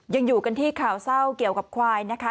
ยังอยู่กันที่ข่าวเศร้าเกี่ยวกับควายนะคะ